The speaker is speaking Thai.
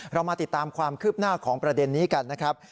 เรามาติดตามความคืบหน้าของประเด็นนี้กันนะครับ